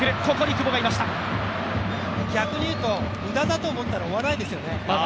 逆に言うと無駄だと思ったら追えないですよね。